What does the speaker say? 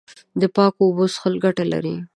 د پاکو اوبو څښل ګټه لري.